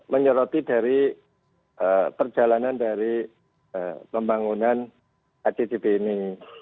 menyeroti dari perjalanan dari pembangunan atb ini